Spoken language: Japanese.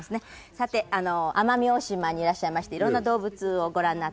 さて奄美大島にいらっしゃいまして色んな動物をご覧になって。